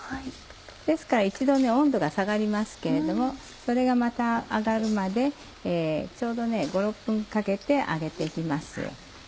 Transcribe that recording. ですから一度温度が下がりますけれどもそれがまた上がるまでちょうど５６分かけて揚げて行きます。